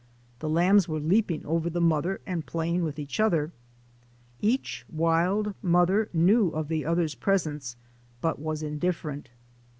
The lambs were leaping over the mother and playing with each other. Each wild mother knew of the other's presence, but was indifferent.